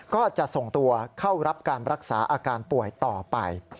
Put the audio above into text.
ก็จะส่งตัวเข้ารับการรักษาอาการป่วยต่อไป